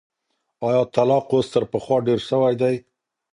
ایا طلاق اوس تر پخوا ډېر سوی دی؟